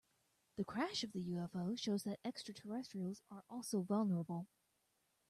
The crash of the UFO shows that extraterrestrials are also vulnerable.